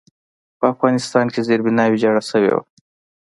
په افغانستان کې زېربنا ویجاړه شوې وه.